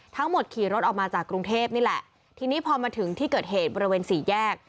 ขี่รถออกมาจากกรุงเทพนี่แหละทีนี้พอมาถึงที่เกิดเหตุบริเวณสี่แยก